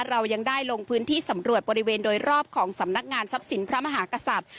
เรายังได้ลงพื้นที่สำรวจบริเวณโดยรอบของสำนักงานทรัพย์สินพระมหากษัตริย์